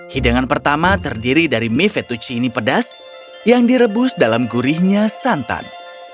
hidangan pertama terdiri dari mie fetuci ini pedas yang direbus dalam gurihnya santan